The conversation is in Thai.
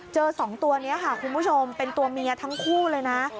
สองตัวนี้ค่ะคุณผู้ชมเป็นตัวเมียทั้งคู่เลยนะ